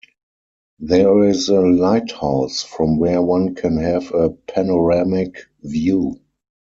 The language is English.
There is a lighthouse from where one can have a panoramic view.